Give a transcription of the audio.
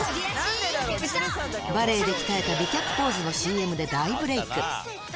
バレエで鍛えたびきゃくぽーずのＣＭで大ブレーク。